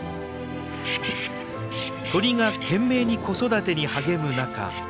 鳥が懸命に子育てに励む中。